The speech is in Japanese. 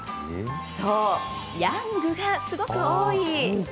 そう、ヤングがすごく多い！